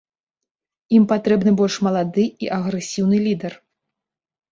Ім патрэбны больш малады і агрэсіўны лідар.